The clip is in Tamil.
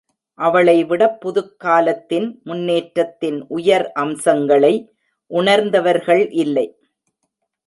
அவளைவிடப் புதுக்காலத்தின் முன்னேற்றத்தின் உயர் அம்சங்களை உணர்ந்தவர்கள் இல்லை.